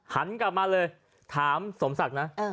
หันกลับมาเลยถามสมศักดิ์นะ